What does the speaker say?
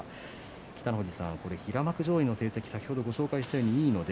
北の富士さん平幕上位の成績先ほどご紹介したようにいいので。